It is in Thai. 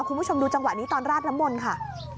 คุณผู้ชมดูจังหวะนี้ตอนราดน้ำมนต์ค่ะ